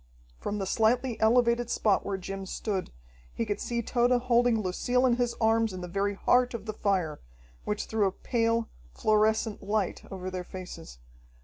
From the slightly elevated spot where Jim stood, he could see Tode holding Lucille in his arms in the very heart of the fire, which threw a pale, fluorescent light over their faces.